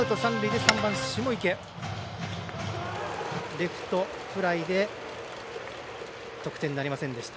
レフトフライで得点なりませんでした。